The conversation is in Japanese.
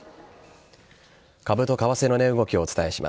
株と為替の値動きをお伝えしま。